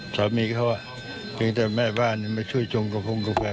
สามีเขาเพียงแต่แม่บ้านมาช่วยจงกระพงกาแฟ